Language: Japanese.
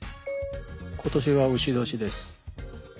「今年は丑年です」。